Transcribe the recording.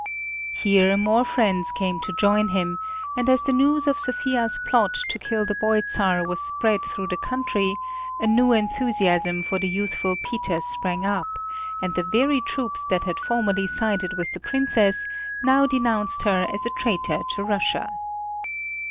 Here more friends came to join him, and as the news of Sophia's plot to kill the boy Czar was spread through the country, a new enthusiasm for the youthful Peter sprang up, and the very troops that had formerly sided with the Princess now denounced her as a traitor to Russia.